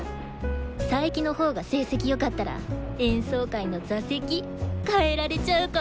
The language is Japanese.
佐伯のほうが成績よかったら演奏会の座席変えられちゃうかもよ。